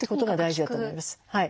はい。